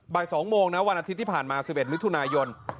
บ่าย๒โมงนะวันอาทิตย์ที่ผ่านมา๑๑มิถุนายน